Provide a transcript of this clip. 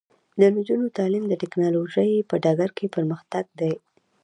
د نجونو تعلیم د ټیکنالوژۍ په ډګر کې پرمختګ دی.